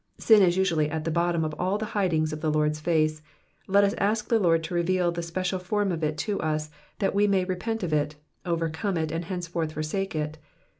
Sin is usually at the bottom of all the hidings of the Lord^s face ; let us ask the Lord to reveal the special form of it to us, that we may repent of it, overcome it, and henceforth forsake it.